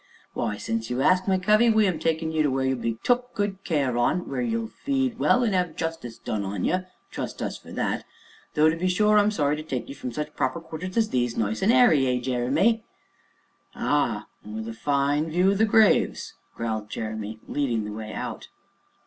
"Why, since you ax, my covey, we 'm a takin' you where you'll be took good care on, where you'll feed well, and 'ave justice done on you trust us for that. Though, to be sure, I'm sorry to take you from such proper quarters as these 'ere nice and airy eh, Jeremy?" "Ah! an' wi' a fine view o' the graves!" growled Jeremy, leading the way out.